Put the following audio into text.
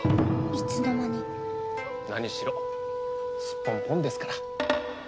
いつの間に何しろすっぽんぽんですから。